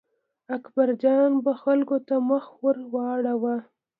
اکبرجان به خلکو ته مخ ور واړاوه.